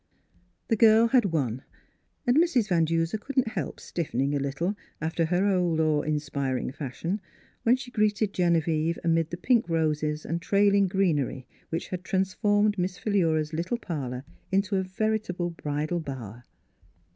The girl had won, and Mrs. Van Duser couldn't help stiffen ing a little after her old awe inspiring [211 J M2SS PkUura's Wedding Gown fashion, when she greeted Genevieve amid the pink roses and trailing greenery which had transformed Miss Philura's little par lour into a veritable bridal bower.